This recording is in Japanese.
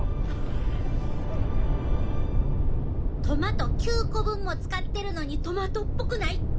トマト９個分も使っているのにトマトっぽくない。